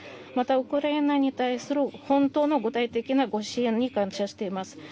また、ウクライナに対する本当の具体的なご支援に感謝しています。